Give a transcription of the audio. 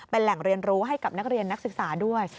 เป็นแหล่งเรียนรู้ให้กับนักเรียนนักศึกษาด้วย